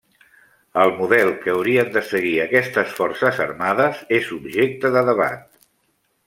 El model que haurien de seguir aquestes forces armades és objecte de debat.